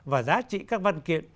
và giá trị các văn kiện